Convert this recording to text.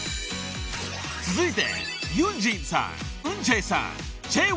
［続いて］